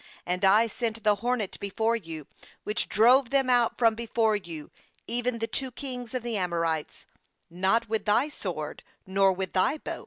12And I sent the hornet before you, which drove them out from before you, even the two kings of the Amorites; not with thy sword, nor with thy bow.